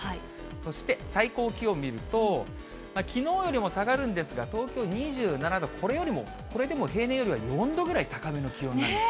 そして最高気温見ると、きのうよりも下がるんですが、東京２７度、これよりも、これでも平年よりは４度ぐらい高めの気温なんです。